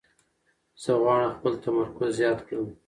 زه غواړم خپل تمرکز زیات کړم.